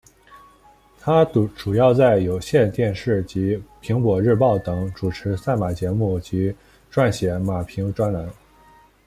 她主要在有线电视及苹果日报等主持赛马节目及撰写马评专栏。